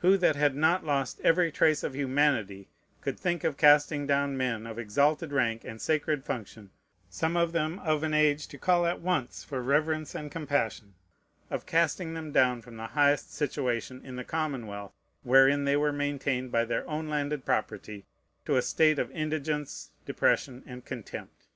Who that had not lost every trace of humanity could think of casting down men of exalted rank and sacred function, some of them of an age to call at once for reverence and compassion, of casting them down from the highest situation in the commonwealth, wherein they were maintained by their own landed property, to a state of indigence, depression, and contempt?